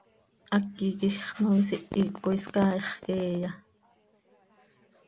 ¿Háqui quij xnoois ihic coi scaaix queeya?